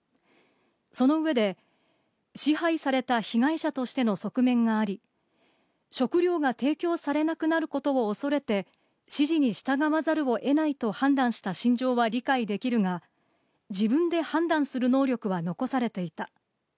その上で、支配された被害者としての側面があり、食料が提供されなくなることを恐れて、指示に従わざるをえないと判断した心情は理解できるが、自分で判断する能力は残されていた。